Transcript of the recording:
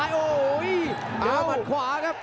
เดีั้งผ่านขวาครับ